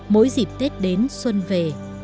mỗi dịp tết đến xuân về